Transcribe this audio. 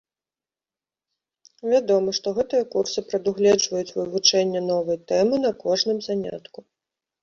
Вядома, што гэтыя курсы прадугледжваюць вывучэнне новай тэмы на кожным занятку.